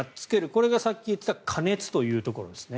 これがさっき言っていた加熱というところですね。